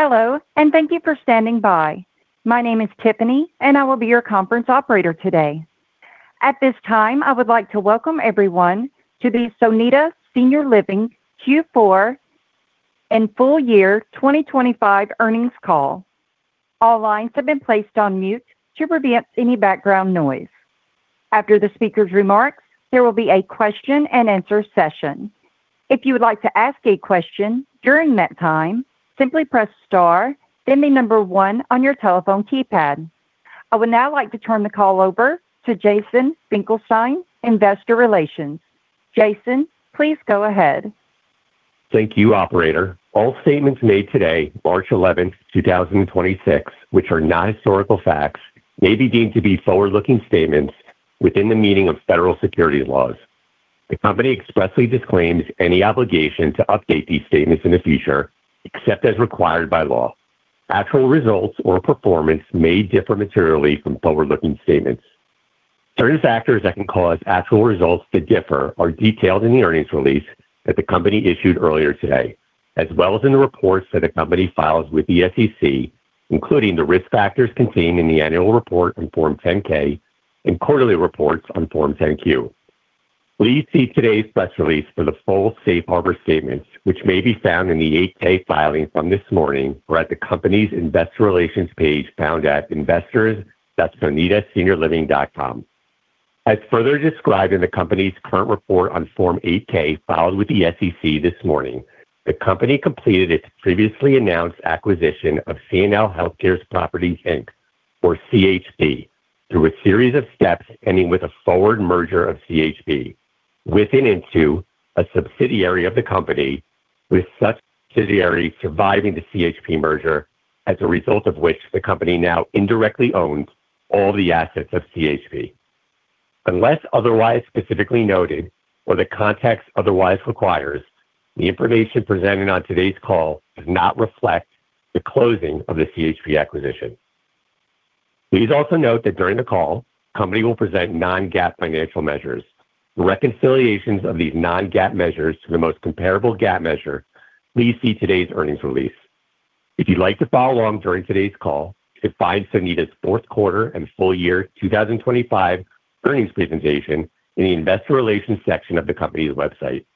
Hello, and thank you for standing by. My name is Tiffany, and I will be your conference operator today. At this time, I would like to welcome everyone to the Sonida Senior Living Q4 and full-year 2025 earnings call. All lines have been placed on mute to prevent any background noise. After the speaker's remarks, there will be a question-and-answer session. If you would like to ask a question during that time, simply press star, then the number one on your telephone keypad. I would now like to turn the call over to Jason Finkelstein, Investor Relations. Jason, please go ahead. Thank you, operator. All statements made today, March 11th, 2026, which are not historical facts, may be deemed to be forward-looking statements within the meaning of federal securities laws. The company expressly disclaims any obligation to update these statements in the future, except as required by law. Actual results or performance may differ materially from forward-looking statements. Certain factors that can cause actual results to differ are detailed in the earnings release that the company issued earlier today, as well as in the reports that the company files with the SEC, including the risk factors contained in the annual report on Form 10-K and quarterly reports on Form 10-Q. Please see today's press release for the full safe harbor statements, which may be found in the 8-K filing from this morning or at the company's Investor Relations page found at investors, that's sonidaseniorliving.com. As further described in the company's current report on Form 8-K filed with the SEC this morning, the company completed its previously announced acquisition of CNL Healthcare Properties, Inc., or CHP, through a series of steps ending with a forward merger of CHP into a subsidiary of the company, with such subsidiary surviving the CHP merger, as a result of which the company now indirectly owns all the assets of CHP. Unless otherwise specifically noted or the context otherwise requires, the information presented on today's call does not reflect the closing of the CHP acquisition. Please also note that during the call, the company will present non-GAAP financial measures. The reconciliations of these non-GAAP measures to the most comparable GAAP measure. Please see today's earnings release. If you'd like to follow along during today's call, you can find Sonida's fourth quarter and full-year 2025 earnings presentation in the Investor Relations section of the company's website.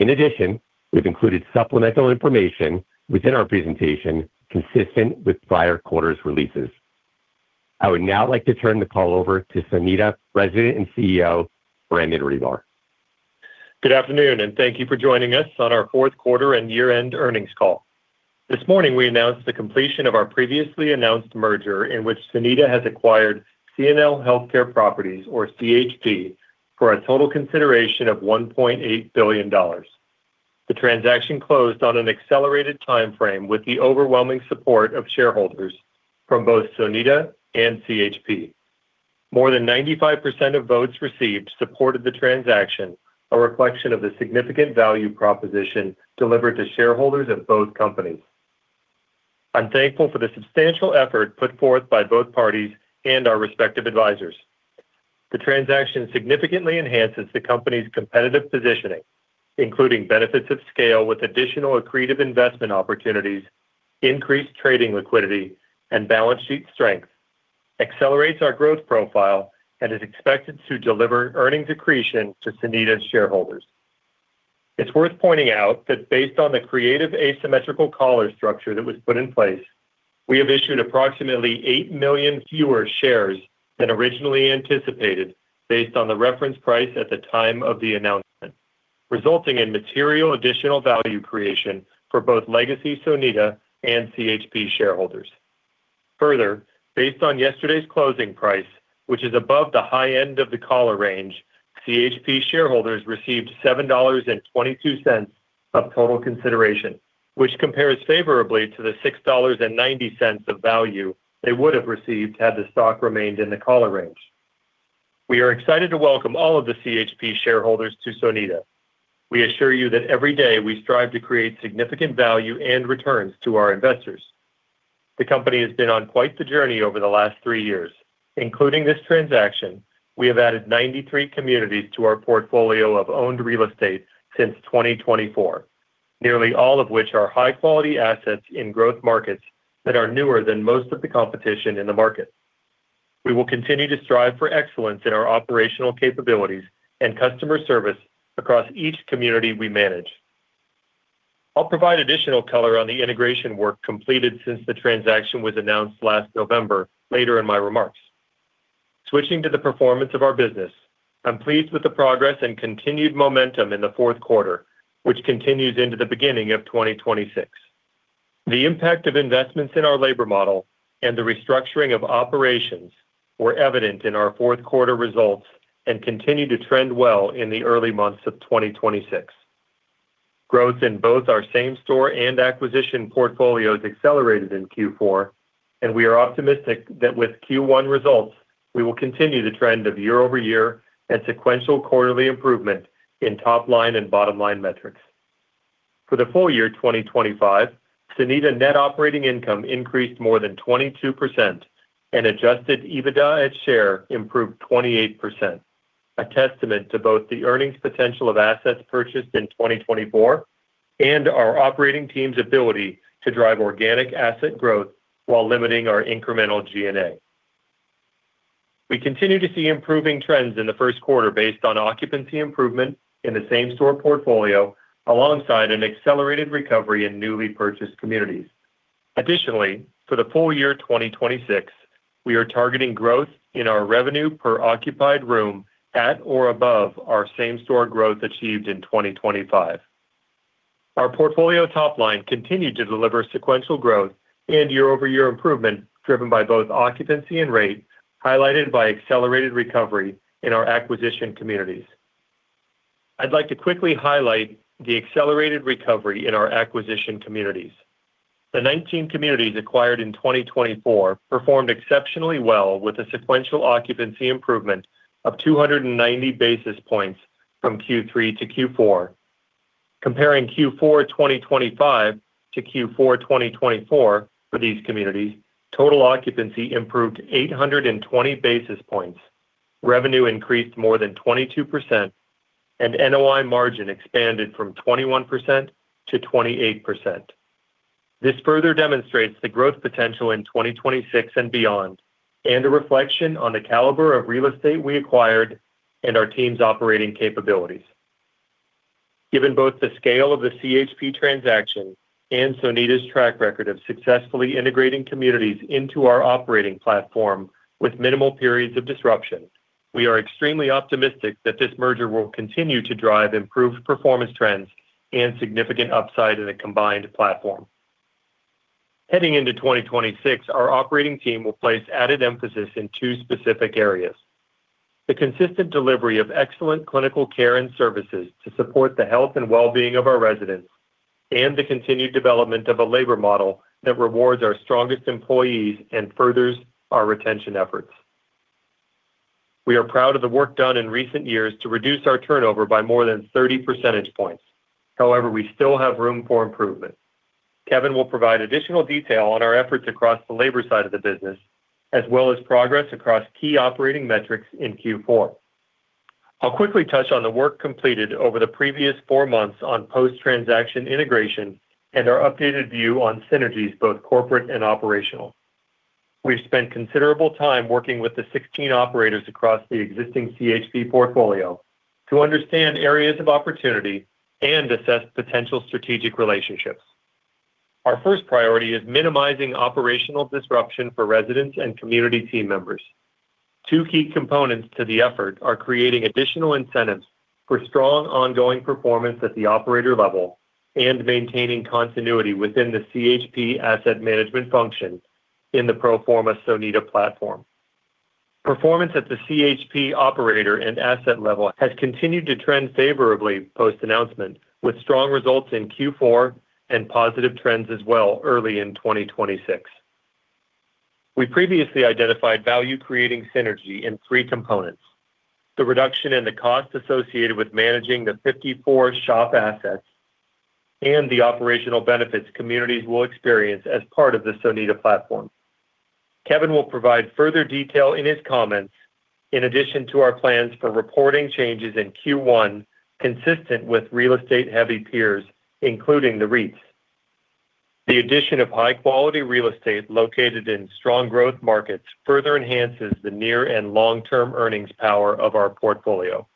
In addition, we've included supplemental information within our presentation consistent with prior quarters releases. I would now like to turn the call over to Sonida's President and CEO, Brandon Ribar. Good afternoon, and thank you for joining us on our fourth quarter and year-end earnings call. This morning, we announced the completion of our previously announced merger in which Sonida has acquired CNL Healthcare Properties, or CHP, for a total consideration of $1.8 billion. The transaction closed on an accelerated timeframe with the overwhelming support of shareholders from both Sonida and CHP. More than 95% of votes received supported the transaction, a reflection of the significant value proposition delivered to shareholders of both companies. I'm thankful for the substantial effort put forth by both parties and our respective advisors. The transaction significantly enhances the company's competitive positioning, including benefits of scale with additional accretive investment opportunities, increased trading liquidity, and balance sheet strength, accelerates our growth profile, and is expected to deliver earnings accretion to Sonida's shareholders. It's worth pointing out that based on the creative asymmetrical collar structure that was put in place, we have issued approximately eight million fewer shares than originally anticipated based on the reference price at the time of the announcement, resulting in material additional value creation for both legacy Sonida and CHP shareholders. Further, based on yesterday's closing price, which is above the high end of the collar range, CHP shareholders received $7.22 of total consideration, which compares favorably to the $6.90 of value they would have received had the stock remained in the collar range. We are excited to welcome all of the CHP shareholders to Sonida. We assure you that every day we strive to create significant value and returns to our investors. The company has been on quite the journey over the last three years. Including this transaction, we have added 93 communities to our portfolio of owned real estate since 2024. Nearly all of which are high-quality assets in growth markets that are newer than most of the competition in the market. We will continue to strive for excellence in our operational capabilities and customer service across each community we manage. I'll provide additional color on the integration work completed since the transaction was announced last November later in my remarks. Switching to the performance of our business, I'm pleased with the progress and continued momentum in the fourth quarter, which continues into the beginning of 2026. The impact of investments in our labor model and the restructuring of operations were evident in our fourth quarter results and continue to trend well in the early months of 2026. Growth in both our same-store and acquisition portfolios accelerated in Q4, and we are optimistic that with Q1 results, we will continue the trend of year-over-year and sequential quarterly improvement in top-line and bottom-line metrics. For the full-year 2025, Sonida net operating income increased more than 22% and adjusted EBITDA at share improved 28%. A testament to both the earnings potential of assets purchased in 2024 and our operating team's ability to drive organic asset growth while limiting our incremental G&A. We continue to see improving trends in the first quarter based on occupancy improvement in the same-store portfolio alongside an accelerated recovery in newly purchased communities. Additionally, for the full-year 2026, we are targeting growth in our revenue per occupied room at or above our same-store growth achieved in 2025. Our portfolio top line continued to deliver sequential growth and year-over-year improvement driven by both occupancy and rate, highlighted by accelerated recovery in our acquisition communities. I'd like to quickly highlight the accelerated recovery in our acquisition communities. The 19 communities acquired in 2024 performed exceptionally well with a sequential occupancy improvement of 290 basis points from Q3 to Q4. Comparing Q4 2025 to Q4 2024 for these communities, total occupancy improved 820 basis points, revenue increased more than 22%, and NOI margin expanded from 21% to 28%. This further demonstrates the growth potential in 2026 and beyond and a reflection on the caliber of real estate we acquired and our team's operating capabilities. Given both the scale of the CHP transaction and Sonida's track record of successfully integrating communities into our operating platform with minimal periods of disruption, we are extremely optimistic that this merger will continue to drive improved performance trends and significant upside in a combined platform. Heading into 2026, our operating team will place added emphasis in two specific areas. The consistent delivery of excellent clinical care and services to support the health and well-being of our residents and the continued development of a labor model that rewards our strongest employees and furthers our retention efforts. We are proud of the work done in recent years to reduce our turnover by more than 30 percentage points. However, we still have room for improvement. Kevin will provide additional detail on our efforts across the labor side of the business as well as progress across key operating metrics in Q4. I'll quickly touch on the work completed over the previous four months on post-transaction integration and our updated view on synergies, both corporate and operational. We've spent considerable time working with the 16 operators across the existing CHP portfolio to understand areas of opportunity and assess potential strategic relationships. Our first priority is minimizing operational disruption for residents and community team members. Two key components to the effort are creating additional incentives for strong ongoing performance at the operator level and maintaining continuity within the CHP asset management function in the pro forma Sonida platform. Performance at the CHP operator and asset level has continued to trend favorably post-announcement with strong results in Q4 and positive trends as well early in 2026. We previously identified value-creating synergy in three components. The reduction in the cost associated with managing the 54 SHOP assets and the operational benefits communities will experience as part of the Sonida platform. Kevin will provide further detail in his comments in addition to our plans for reporting changes in Q1 consistent with real estate-heavy peers, including the REITs. The addition of high-quality real estate located in strong growth markets further enhances the near- and long-term earnings power of our portfolio.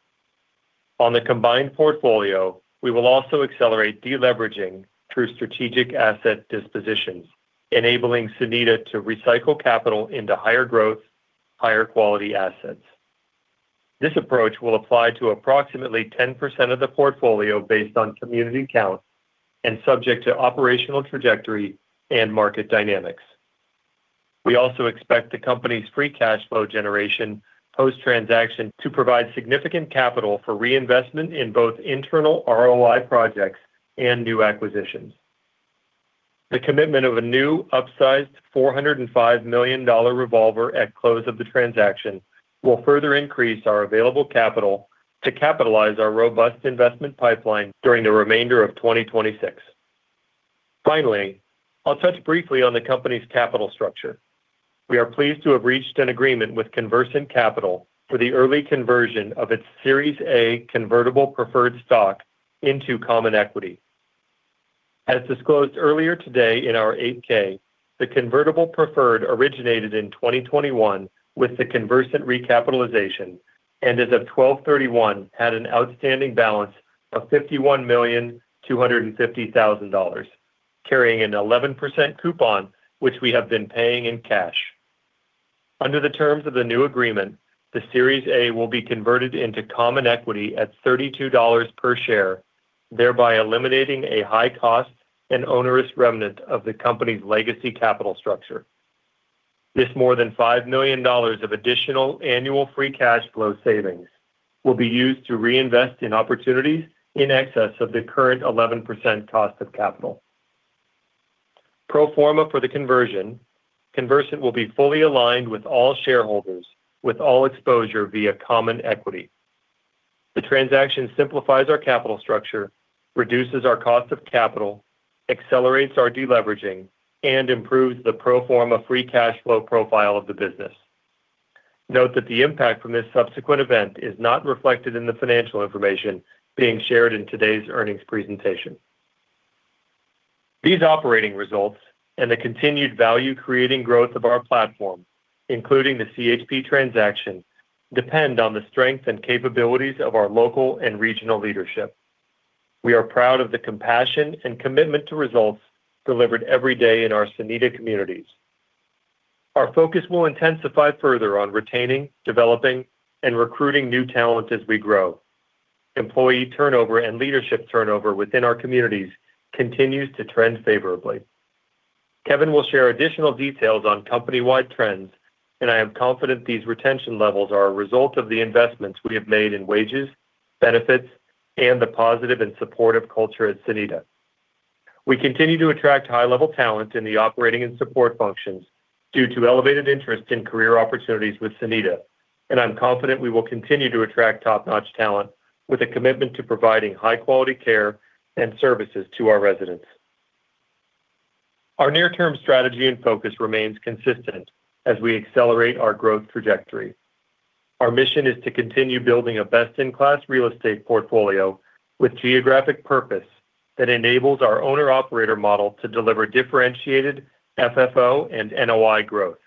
On the combined portfolio, we will also accelerate deleveraging through strategic asset dispositions, enabling Sonida to recycle capital into higher growth, higher quality assets. This approach will apply to approximately 10% of the portfolio based on community count and subject to operational trajectory and market dynamics. We also expect the company's free cash flow generation post-transaction to provide significant capital for reinvestment in both internal ROI projects and new acquisitions. The commitment of a new upsized $405 million revolver at close of the transaction will further increase our available capital to capitalize our robust investment pipeline during the remainder of 2026. Finally, I'll touch briefly on the company's capital structure. We are pleased to have reached an agreement with Conversant Capital for the early conversion of its Series A convertible preferred stock into common equity. As disclosed earlier today in our 8-K, the convertible preferred originated in 2021 with the Conversant recapitalization and as of December 31 had an outstanding balance of $51,250,000, carrying an 11% coupon, which we have been paying in cash. Under the terms of the new agreement, the Series A will be converted into common equity at $32 per share, thereby eliminating a high cost and onerous remnant of the company's legacy capital structure. This more than $5 million of additional annual free cash flow savings will be used to reinvest in opportunities in excess of the current 11% cost of capital. Pro forma for the conversion, Conversant will be fully aligned with all shareholders with all exposure via common equity. The transaction simplifies our capital structure, reduces our cost of capital, accelerates our deleveraging, and improves the pro forma free cash flow profile of the business. Note that the impact from this subsequent event is not reflected in the financial information being shared in today's earnings presentation. These operating results and the continued value creating growth of our platform, including the CHP transaction, depend on the strength and capabilities of our local and regional leadership. We are proud of the compassion and commitment to results delivered every day in our Sonida communities. Our focus will intensify further on retaining, developing, and recruiting new talent as we grow. Employee turnover and leadership turnover within our communities continues to trend favorably. Kevin will share additional details on company-wide trends, and I am confident these retention levels are a result of the investments we have made in wages, benefits, and the positive and supportive culture at Sonida. We continue to attract high-level talent in the operating and support functions due to elevated interest in career opportunities with Sonida, and I'm confident we will continue to attract top-notch talent with a commitment to providing high-quality care and services to our residents. Our near-term strategy and focus remains consistent as we accelerate our growth trajectory. Our mission is to continue building a best-in-class real estate portfolio with geographic purpose that enables our owner-operator model to deliver differentiated FFO and NOI growth.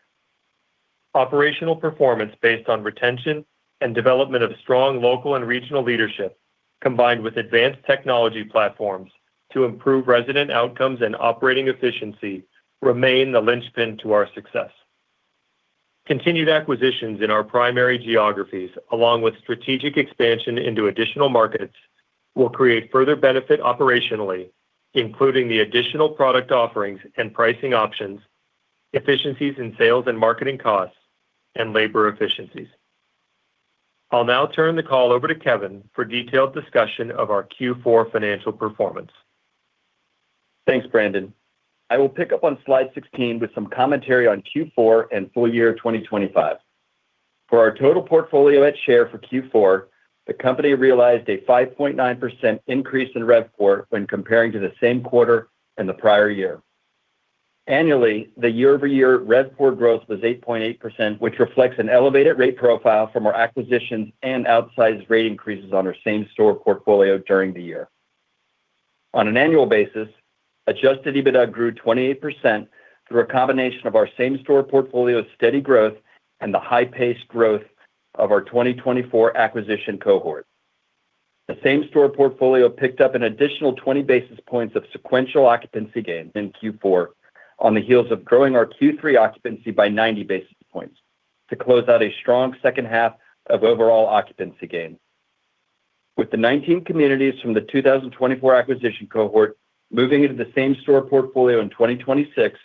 Operational performance based on retention and development of strong local and regional leadership, combined with advanced technology platforms to improve resident outcomes and operating efficiency remain the linchpin to our success. Continued acquisitions in our primary geographies, along with strategic expansion into additional markets, will create further benefit operationally, including the additional product offerings and pricing options, efficiencies in sales and marketing costs, and labor efficiencies. I'll now turn the call over to Kevin for detailed discussion of our Q4 financial performance. Thanks, Brandon. I will pick up on slide 16 with some commentary on Q4 and full-year 2025. For our total portfolio at share for Q4, the company realized a 5.9% increase in RevPOR when comparing to the same quarter and the prior year. Annually, the year-over-year RevPOR growth was 8.8%, which reflects an elevated rate profile from our acquisitions and outsized rate increases on our same store portfolio during the year. On an annual basis, adjusted EBITDA grew 28% through a combination of our same store portfolio steady growth and the high-paced growth of our 2024 acquisition cohort. The same store portfolio picked up an additional 20 basis points of sequential occupancy gains in Q4 on the heels of growing our Q3 occupancy by 90 basis points to close out a strong second half of overall occupancy gains. With the 19 communities from the 2024 acquisition cohort moving into the same store portfolio in 2026,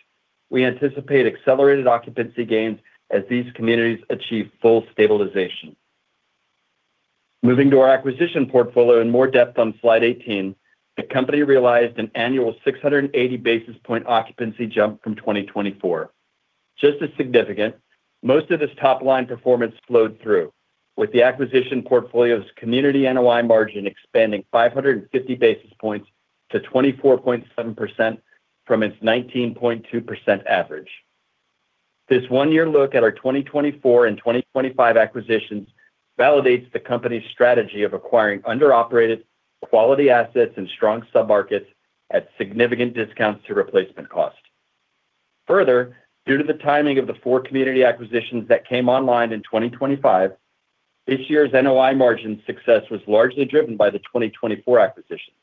we anticipate accelerated occupancy gains as these communities achieve full stabilization. Moving to our acquisition portfolio in more depth on slide 18, the company realized an annual 680 basis point occupancy jump from 2024. Just as significant, most of this top line performance flowed through with the acquisition portfolio's community NOI margin expanding 550 basis points to 24.7% from its 19.2% average. This one-year look at our 2024 and 2025 acquisitions validates the company's strategy of acquiring under-operated quality assets and strong submarkets at significant discounts to replacement cost. Further, due to the timing of the four community acquisitions that came online in 2025, this year's NOI margin success was largely driven by the 2024 acquisition.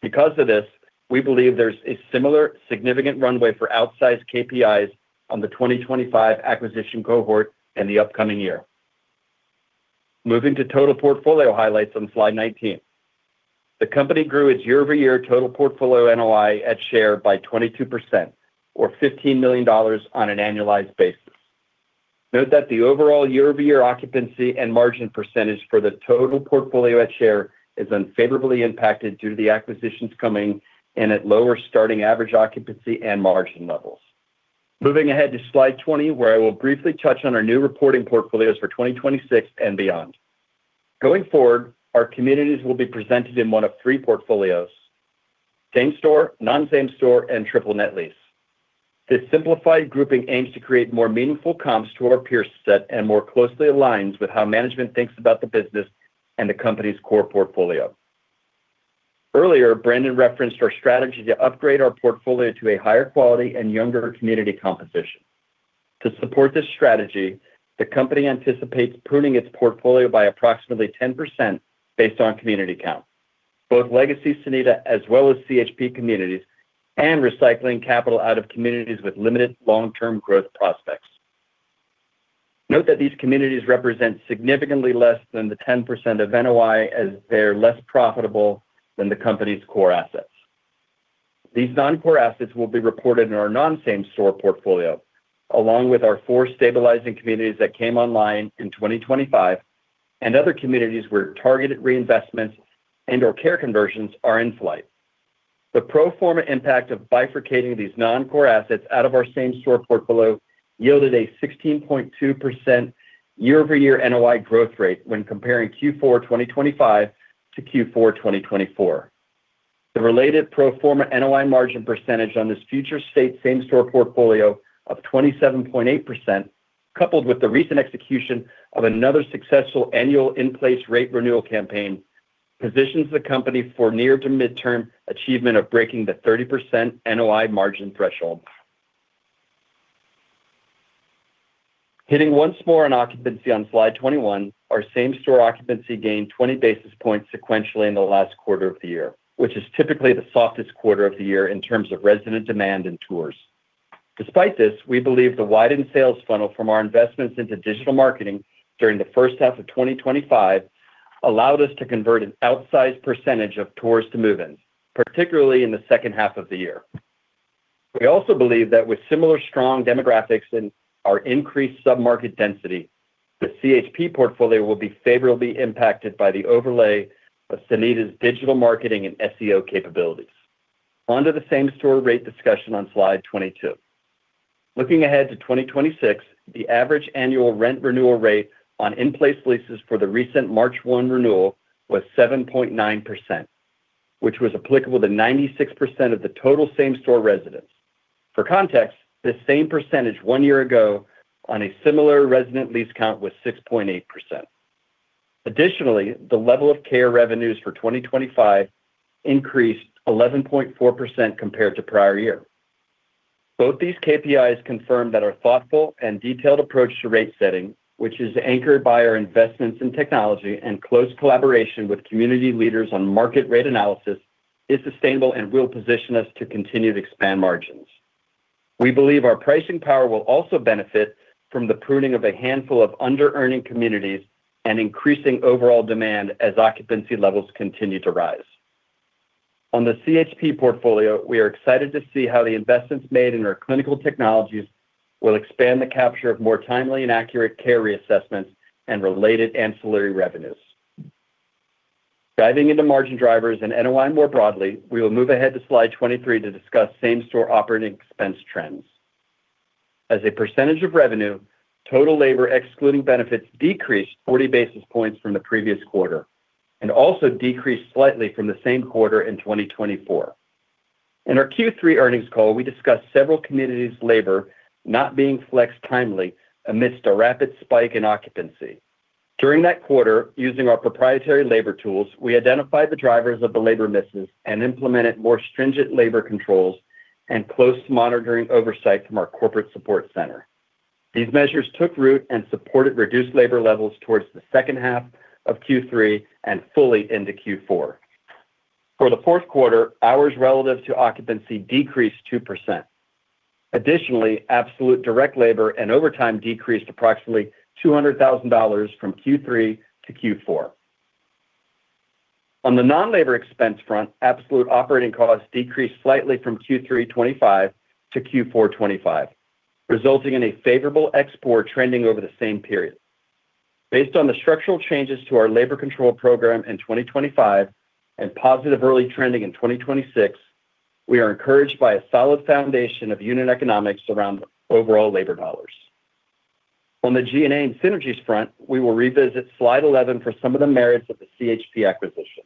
Because of this, we believe there's a similar significant runway for outsized KPIs on the 2025 acquisition cohort in the upcoming year. Moving to total portfolio highlights on slide 19. The company grew its year-over-year total portfolio NOI at share by 22% or $15 million on an annualized basis. Note that the overall year-over-year occupancy and margin percentage for the total portfolio at share is unfavorably impacted due to the acquisitions coming in at lower starting average occupancy and margin levels. Moving ahead to slide 20, where I will briefly touch on our new reporting portfolios for 2026 and beyond. Going forward, our communities will be presented in one of three portfolios: same store, non-same store, and triple net lease. This simplified grouping aims to create more meaningful comps to our peer set and more closely aligns with how management thinks about the business and the company's core portfolio. Earlier, Brandon referenced our strategy to upgrade our portfolio to a higher quality and younger community composition. To support this strategy, the company anticipates pruning its portfolio by approximately 10% based on community count, both legacy Sonida as well as CHP communities, and recycling capital out of communities with limited long-term growth prospects. Note that these communities represent significantly less than the 10% of NOI as they're less profitable than the company's core assets. These non-core assets will be reported in our non-same store portfolio, along with our four stabilizing communities that came online in 2025 and other communities where targeted reinvestments and/or care conversions are in flight. The pro forma impact of bifurcating these non-core assets out of our same-store portfolio yielded a 16.2% year-over-year NOI growth rate when comparing Q4 2025 to Q4 2024. The related pro forma NOI margin percentage on this future state same-store portfolio of 27.8%, coupled with the recent execution of another successful annual in-place rate renewal campaign, positions the company for near to midterm achievement of breaking the 30% NOI margin threshold. Hitting once more on occupancy on slide 21, our same-store occupancy gained 20 basis points sequentially in the last quarter of the year, which is typically the softest quarter of the year in terms of resident demand and tours. Despite this, we believe the widened sales funnel from our investments into digital marketing during the first half of 2025 allowed us to convert an outsized percentage of tours to move-ins, particularly in the second half of the year. We also believe that with similar strong demographics and our increased sub-market density, the CHP portfolio will be favorably impacted by the overlay of Sonida's digital marketing and SEO capabilities. On to the same-store rate discussion on slide 22. Looking ahead to 2026, the average annual rent renewal rate on in-place leases for the recent March 1 renewal was 7.9%, which was applicable to 96% of the total same-store residents. For context, this same percentage one year ago on a similar resident lease count was 6.8%. Additionally, the level of care revenues for 2025 increased 11.4% compared to prior year. Both these KPIs confirm that our thoughtful and detailed approach to rate setting, which is anchored by our investments in technology and close collaboration with community leaders on market rate analysis, is sustainable and will position us to continue to expand margins. We believe our pricing power will also benefit from the pruning of a handful of under-earning communities and increasing overall demand as occupancy levels continue to rise. On the CHP portfolio, we are excited to see how the investments made in our clinical technologies will expand the capture of more timely and accurate care reassessments and related ancillary revenues. Diving into margin drivers and NOI more broadly, we will move ahead to slide 23 to discuss same-store operating expense trends. As a percentage of revenue, total labor excluding benefits decreased 40 basis points from the previous quarter and also decreased slightly from the same quarter in 2024. In our Q3 earnings call, we discussed several communities' labor not being flexed timely amidst a rapid spike in occupancy. During that quarter, using our proprietary labor tools, we identified the drivers of the labor misses and implemented more stringent labor controls and close monitoring oversight from our corporate support center. These measures took root and supported reduced labor levels towards the second half of Q3 and fully into Q4. For the fourth quarter, hours relative to occupancy decreased 2%. Additionally, absolute direct labor and overtime decreased approximately $200,000 from Q3 to Q4. On the non-labor expense front, absolute operating costs decreased slightly from Q3 2025 to Q4 2025, resulting in a favorable expense trending over the same period. Based on the structural changes to our labor control program in 2025 and positive early trending in 2026, we are encouraged by a solid foundation of unit economics around overall labor dollars. On the G&A and synergies front, we will revisit slide 11 for some of the merits of the CHP acquisition.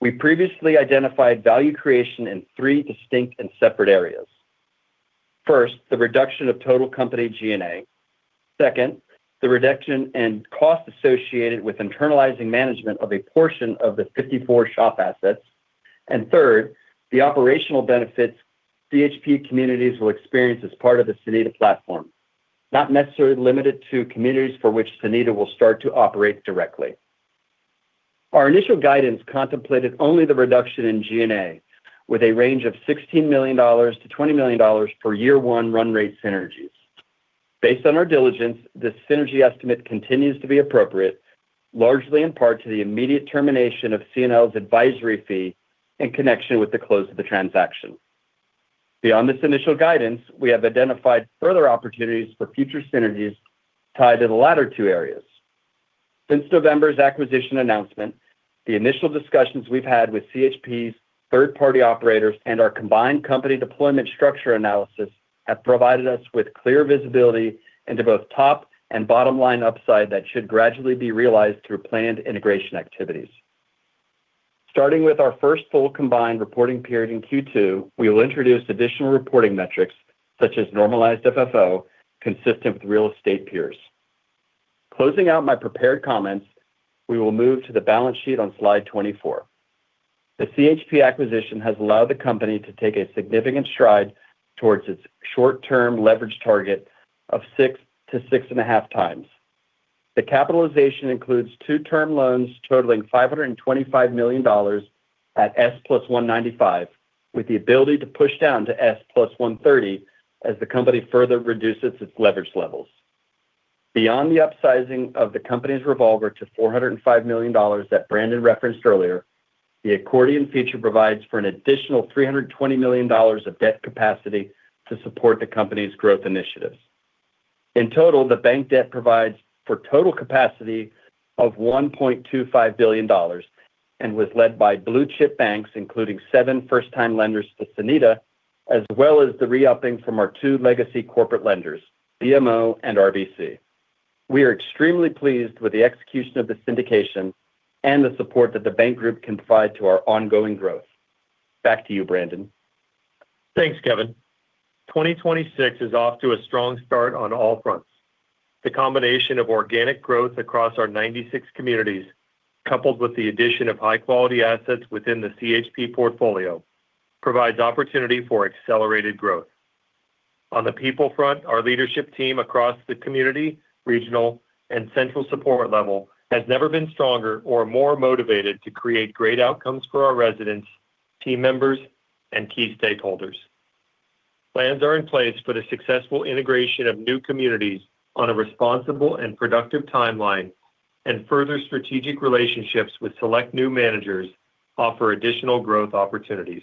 We previously identified value creation in three distinct and separate areas. First, the reduction of total company G&A. Second, the reduction in costs associated with internalizing management of a portion of the 54 SHOP assets. Third, the operational benefits CHP communities will experience as part of the Sonida platform, not necessarily limited to communities for which Sonida will start to operate directly. Our initial guidance contemplated only the reduction in G&A, with a range of $16 million-$20 million for year one run rate synergies. Based on our diligence, this synergy estimate continues to be appropriate, largely in part to the immediate termination of CNL's advisory fee in connection with the close of the transaction. Beyond this initial guidance, we have identified further opportunities for future synergies tied to the latter two areas. Since November's acquisition announcement, the initial discussions we've had with CHP's third-party operators and our combined company deployment structure analysis have provided us with clear visibility into both top and bottom line upside that should gradually be realized through planned integration activities. Starting with our first full combined reporting period in Q2, we will introduce additional reporting metrics, such as normalized FFO, consistent with real estate peers. Closing out my prepared comments, we will move to the balance sheet on slide 24. The CHP acquisition has allowed the company to take a significant stride towards its short-term leverage target of 6x-6.5x. The capitalization includes two-term loans totaling $525 million at SOFR plus 195, with the ability to push down to SOFR plus 130 as the company further reduces its leverage levels. Beyond the upsizing of the company's revolver to $405 million that Brandon referenced earlier, the accordion feature provides for an additional $320 million of debt capacity to support the company's growth initiatives. In total, the bank debt provides for total capacity of $1.25 billion and was led by blue chip banks, including seven first-time lenders to Sonida, as well as the re-upping from our two legacy corporate lenders, BMO and RBC. We are extremely pleased with the execution of the syndication and the support that the bank group can provide to our ongoing growth. Back to you, Brandon. Thanks, Kevin. 2026 is off to a strong start on all fronts. The combination of organic growth across our 96 communities, coupled with the addition of high-quality assets within the CHP portfolio, provides opportunity for accelerated growth. On the people front, our leadership team across the community, regional, and central support level has never been stronger or more motivated to create great outcomes for our residents, team members, and key stakeholders. Plans are in place for the successful integration of new communities on a responsible and productive timeline and further strategic relationships with select new managers offer additional growth opportunities.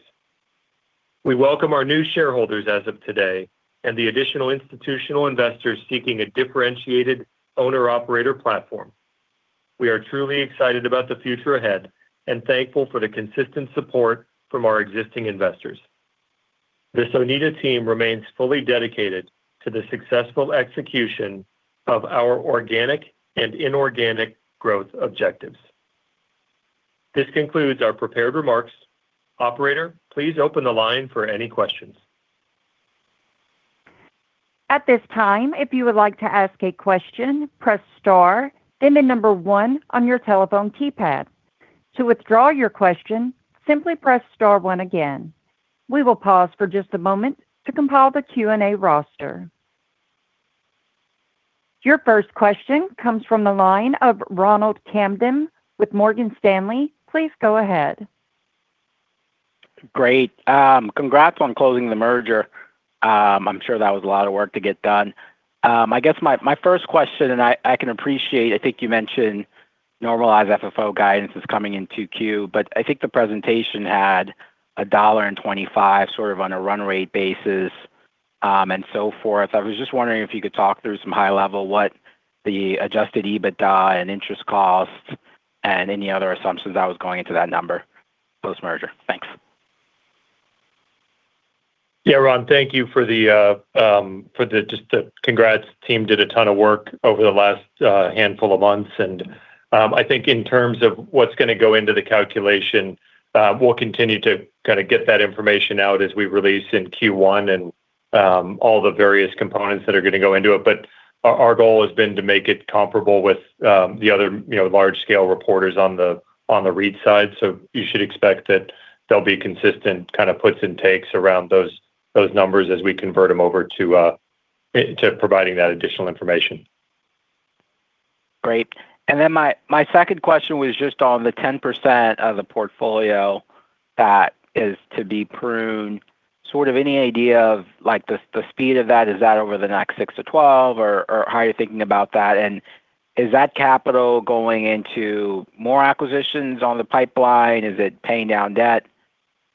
We welcome our new shareholders as of today and the additional institutional investors seeking a differentiated owner/operator platform. We are truly excited about the future ahead and thankful for the consistent support from our existing investors. The Sonida team remains fully dedicated to the successful execution of our organic and inorganic growth objectives. This concludes our prepared remarks. Operator, please open the line for any questions. At this time, if you would like to ask a question, press star, then one on your telephone keypad. To withdraw your question, simply press star one again. We will pause for just a moment to compile the Q&A roster. Your first question comes from the line of Ronald Kamdem with Morgan Stanley. Please go ahead. Great. Congrats on closing the merger. I'm sure that was a lot of work to get done. I guess my first question, and I can appreciate, I think you mentioned normalized FFO guidance is coming in 2Q, but I think the presentation had $1.25 sort of on a run rate basis, and so forth. I was just wondering if you could talk through some high level what the adjusted EBITDA and interest costs and any other assumptions that was going into that number post-merger. Thanks. Yeah, Ron, thank you for just the congrats. Team did a ton of work over the last handful of months, and I think in terms of what's gonna go into the calculation, we'll continue to kinda get that information out as we release in Q1 and all the various components that are gonna go into it. Our goal has been to make it comparable with the other, you know, large-scale reporters on the REIT side. You should expect that they'll be consistent, kind of puts and takes around those numbers as we convert them over to providing that additional information. Great. Then my second question was just on the 10% of the portfolio that is to be pruned. Sort of any idea of, like, the speed of that? Is that over the next six to 12, or how are you thinking about that? Is that capital going into more acquisitions on the pipeline? Is it paying down debt?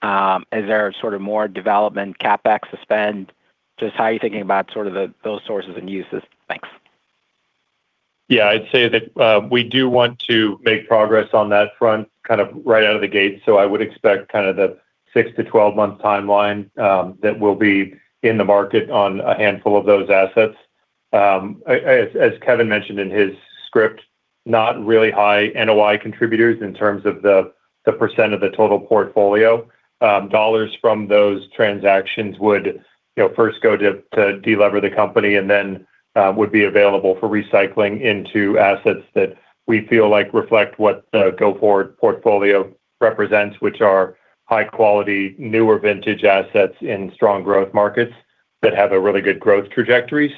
Is there sort of more development CapEx to spend? Just how are you thinking about sort of the, those sources and uses? Thanks. Yeah. I'd say that we do want to make progress on that front kind of right out of the gate, so I would expect kind of the six to 12-month timeline that we'll be in the market on a handful of those assets. As Kevin mentioned in his script, not really high NOI contributors in terms of the percent of the total portfolio. Dollars from those transactions would, you know, first go to de-lever the company and then would be available for recycling into assets that we feel like reflect what the go-forward portfolio represents, which are high quality, newer vintage assets in strong growth markets that have a really good growth trajectory.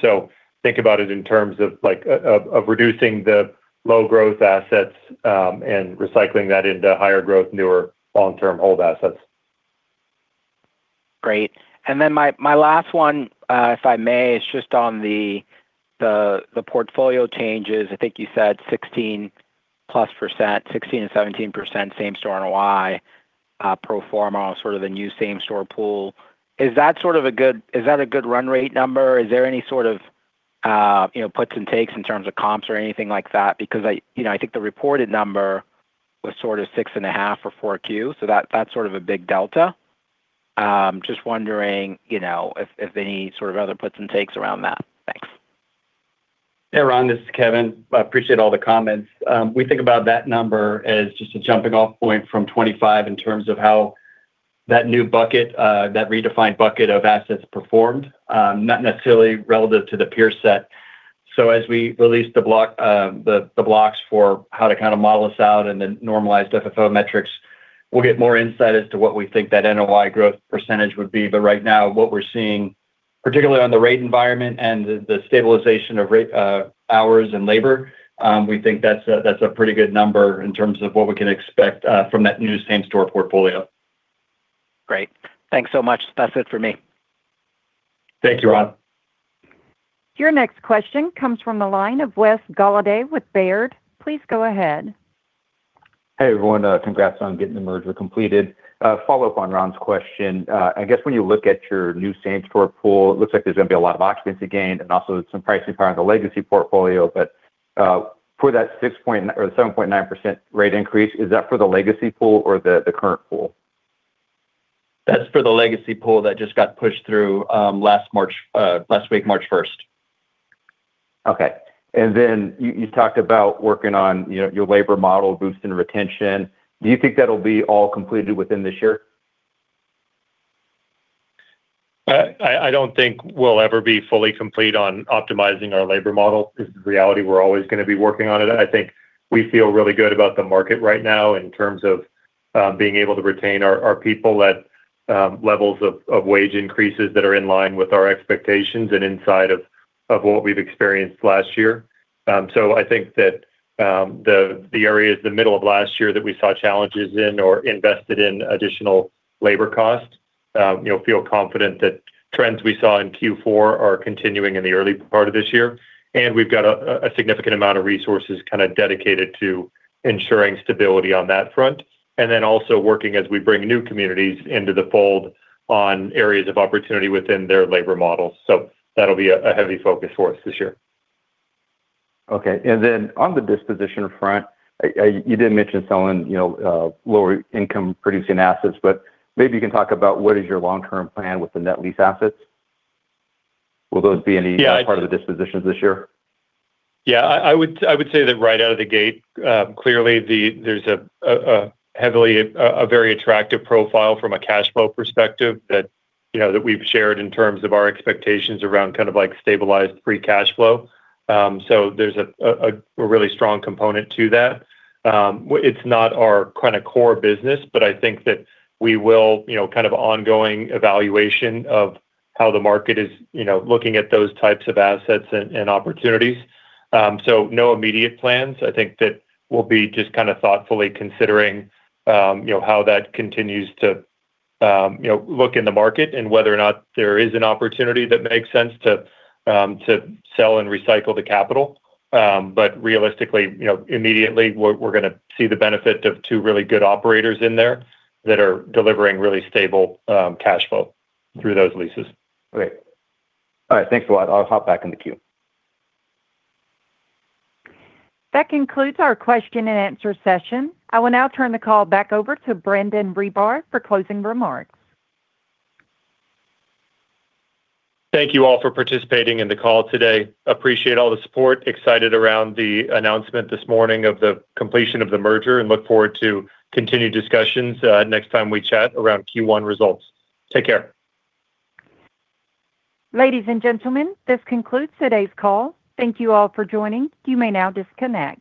Think about it in terms of, like, of reducing the low growth assets and recycling that into higher growth, newer long-term hold assets. Great. My last one, if I may, is just on the portfolio changes. I think you said 16%+, 16%-17% same-store NOI, pro forma on sort of the new same store pool. Is that a good run rate number? Is there any sort of, you know, puts and takes in terms of comps or anything like that? Because you know, I think the reported number was sort of 6.5% for Q4, so that's sort of a big delta. Just wondering, you know, if any sort of other puts and takes around that. Thanks. Yeah, Ron, this is Kevin. I appreciate all the comments. We think about that number as just a jumping-off point from 2025 in terms of how that new bucket, that redefined bucket of assets performed, not necessarily relative to the peer set. As we release the block, the blocks for how to kinda model this out and then normalize FFO metrics, we'll get more insight as to what we think that NOI growth percentage would be. Right now, what we're seeing, particularly on the rate environment and the stabilization of hours and labor, we think that's a pretty good number in terms of what we can expect from that new same store portfolio. Great. Thanks so much. That's it for me. Thank you, Ron. Your next question comes from the line of Wes Golladay with Baird. Please go ahead. Hey, everyone. Congrats on getting the merger completed. Follow up on Ron's question. I guess when you look at your new same-store pool, it looks like there's gonna be a lot of occupancy gained and also some pricing power in the legacy portfolio. For that six point- or the 7.9% rate increase, is that for the legacy pool or the current pool? That's for the legacy pool that just got pushed through last week, March first. Okay. You talked about working on, you know, your labor model, boosting retention. Do you think that'll be all completed within this year? I don't think we'll ever be fully complete on optimizing our labor model 'cause the reality we're always gonna be working on it. I think we feel really good about the market right now in terms of being able to retain our people at levels of wage increases that are in line with our expectations and inside of what we've experienced last year. I think that the areas the middle of last year that we saw challenges in or invested in additional labor costs, you know, feel confident that trends we saw in Q4 are continuing in the early part of this year. We've got a significant amount of resources kinda dedicated to ensuring stability on that front, and then also working as we bring new communities into the fold on areas of opportunity within their labor models. That'll be a heavy focus for us this year. Okay. On the disposition front, I. You did mention selling, you know, lower income producing assets, but maybe you can talk about what is your long-term plan with the net lease assets. Will those be any- Yeah. Part of the dispositions this year? Yeah. I would say that right out of the gate, clearly there's a very attractive profile from a cash flow perspective that, you know, that we've shared in terms of our expectations around kind of like stabilized free cash flow. So there's a really strong component to that. It's not our kinda core business, but I think that we will, you know, kind of ongoing evaluation of how the market is, you know, looking at those types of assets and opportunities. So no immediate plans. I think that we'll be just kinda thoughtfully considering, you know, how that continues to, you know, look in the market and whether or not there is an opportunity that makes sense to sell and recycle the capital. Realistically, you know, immediately we're gonna see the benefit of two really good operators in there that are delivering really stable cash flow through those leases. Great. All right. Thanks a lot. I'll hop back in the queue. That concludes our question and answer session. I will now turn the call back over to Brandon Ribar for closing remarks. Thank you all for participating in the call today. Appreciate all the support. Excited around the announcement this morning of the completion of the merger and look forward to continued discussions, next time we chat around Q1 results. Take care. Ladies and gentlemen, this concludes today's call. Thank you all for joining. You may now disconnect.